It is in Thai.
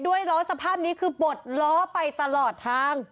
ด้วยร้องสภาพนี้คือบดล้อไปตลอดทาง